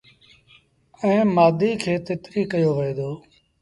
ائيٚݩ مآڌيٚ کي تتريٚ ڪيو وهي دو۔